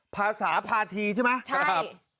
ภาษาภาษีใช่ไหม